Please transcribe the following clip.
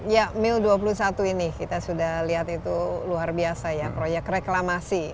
ya mil dua puluh satu ini kita sudah lihat itu luar biasa ya proyek reklamasi